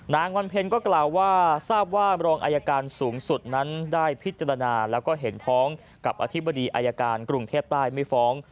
นางวันเพ็ญก็กล่าวว่าทราบว่ารองอายการสูงสุดนั้นได้พิจารณาแล้วก็เห็นพ้องกับอธิบดีอายการกรุงเทพใต้ไม่ฟ้อง